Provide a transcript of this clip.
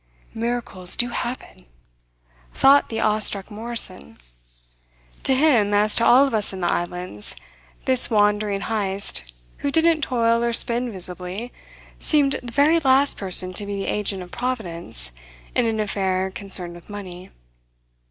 "Miracles do happen," thought the awestruck Morrison. To him, as to all of us in the Islands, this wandering Heyst, who didn't toil or spin visibly, seemed the very last person to be the agent of Providence in an affair concerned with money.